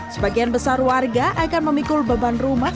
sebagian besar warga akan memikul beban rumah